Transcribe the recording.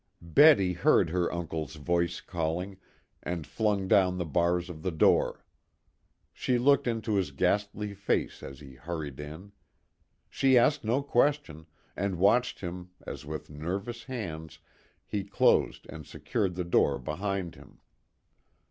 Betty heard her uncle's voice calling, and flung down the bars of the door. She looked into his ghastly face as he hurried in. She asked no question, and watched him as with nervous hands he closed and secured the door behind him.